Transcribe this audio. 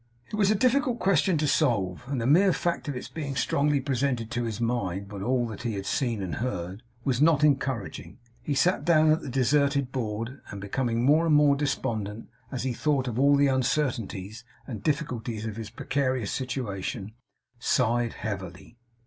It was a difficult question to solve; and the mere fact of its being strongly presented to his mind by all that he had seen and heard, was not encouraging. He sat down at the deserted board, and becoming more and more despondent, as he thought of all the uncertainties and difficulties of his precarious situation, sighed heavily.